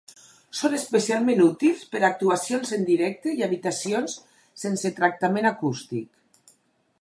Són especialment útils per a actuacions en directe i habitacions sense tractament acústic.